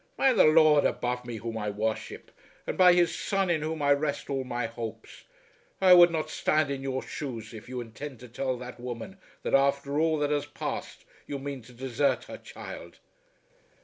By the Lord above me whom I worship, and by His Son in whom I rest all my hopes, I would not stand in your shoes if you intend to tell that woman that after all that has passed you mean to desert her child."